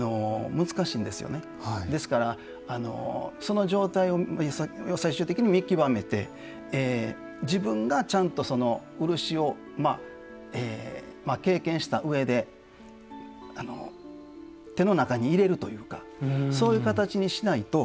ですからその状態を最終的に見極めて自分がちゃんと漆をまあ経験した上で手の中に入れるというかそういう形にしないと。